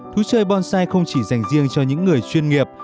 thú chơi bonsai không chỉ dành riêng cho những người chuyên nghiệp